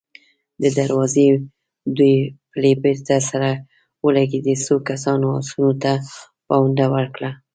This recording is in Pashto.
د دروازې دوې پلې بېرته سره ولګېدې، څو کسانو آسونو ته پونده ورکړه.